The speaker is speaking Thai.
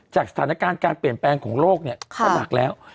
สถานการณ์การเปลี่ยนแปลงของโลกเนี่ยก็หนักแล้ว